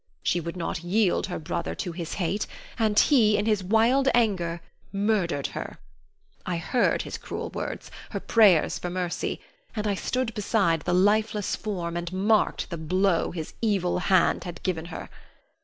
She would not yield her brother to his hate, and he in his wild anger murdered her. I heard his cruel words, her prayers for mercy, and I stood beside the lifeless form and marked the blow his evil hand had given her.